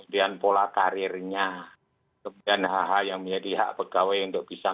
kemudian pola karirnya kemudian hal hal yang menjadi hak pegawai untuk bisa